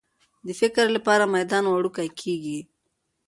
د فکر لپاره میدان وړوکی کېږي.